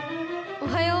おはよう。